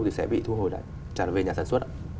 thì sẽ bị thu hồi lại trả về nhà sản xuất